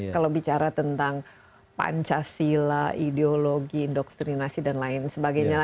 kalau bicara tentang pancasila ideologi indoktrinasi dan lain sebagainya